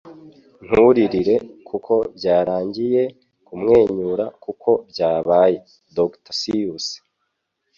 Nturirire kuko byarangiye, kumwenyura kuko byabaye.” —Dr. Seuss